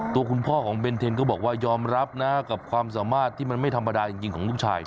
ตัวคุณพ่อของเบนเทนก็บอกว่ายอมรับนะกับความสามารถที่มันไม่ธรรมดาจริงของลูกชาย